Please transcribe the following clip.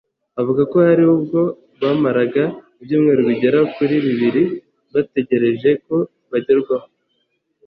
Avuga ko hari ubwo bamaraga ibyumweru bigera kuri bibiri bategereje ko bagerwaho